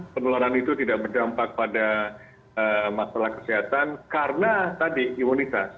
penularan itu tidak berdampak pada masalah kesehatan karena tadi imunitas